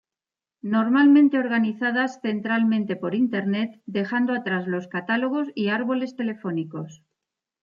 Normalmente organizadas centralmente por internet, dejando atrás los catálogos y árboles telefónicos.